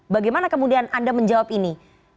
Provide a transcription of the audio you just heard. bagaimana kemudian anda menjawab ini